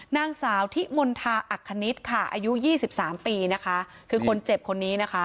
นางสาวทิมณฑาอัคคณิตค่ะอายุยี่สิบสามปีนะคะคือคนเจ็บคนนี้นะคะ